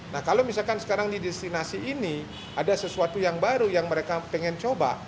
nah kalau misalkan sekarang di destinasi ini ada sesuatu yang baru yang mereka pengen coba